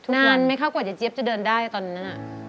นานไหมคะกว่ายายเจี๊ยบจะเดินได้ตอนนั้น